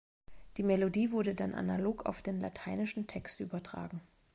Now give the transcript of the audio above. Die Melodie wurde dann analog auf den lateinischen Text übertragen.